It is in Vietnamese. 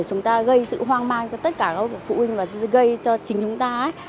hoàng màng cho tất cả các phụ huynh và gây cho chính chúng ta